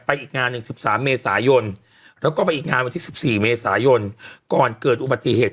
อีกงานหนึ่ง๑๓เมษายนแล้วก็ไปอีกงานวันที่๑๔เมษายนก่อนเกิดอุบัติเหตุ